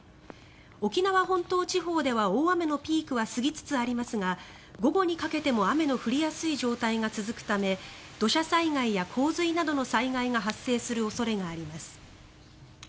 沖縄本島地方では大雨のピークは過ぎつつありますが午後にかけても雨の降りやすい状態が続くため土砂災害や洪水などの災害が発生する恐れがあります。